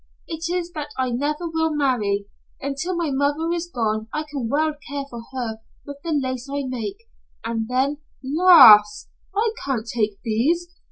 It is that I never will marry. Until my mother is gone I can well care for her with the lace I make, and then " "Lass, I can't take these.